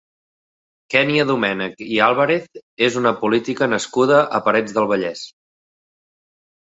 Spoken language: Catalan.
Kènia Domènech i Àlvarez és una política nascuda a Parets del Vallès.